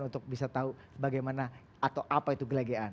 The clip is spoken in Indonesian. untuk bisa tahu bagaimana atau apa itu gelegean